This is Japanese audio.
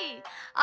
あ